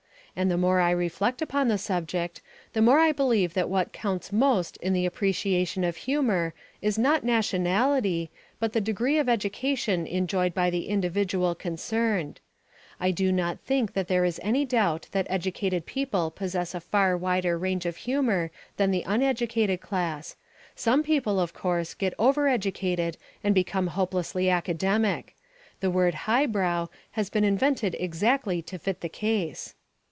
And the more I reflect upon the subject, the more I believe that what counts most in the appreciation of humour is not nationality, but the degree of education enjoyed by the individual concerned. I do not think that there is any doubt that educated people possess a far wider range of humour than the uneducated class. Some people, of course, get overeducated and become hopelessly academic. The word "highbrow" has been invented exactly to fit the case.